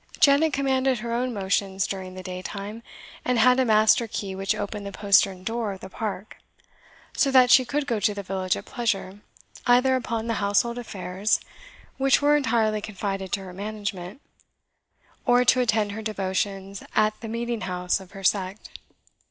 Janet commanded her own motions during the daytime, and had a master key which opened the postern door of the park, so that she could go to the village at pleasure, either upon the household affairs, which were entirely confided to her management, or to attend her devotions at the meeting house of her sect.